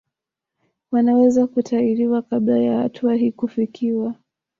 Wanaweza kutahiriwa kabla ya hatua hii kufikiwa